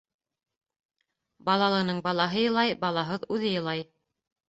Балалының балаһы илай, балаһыҙ үҙе илай.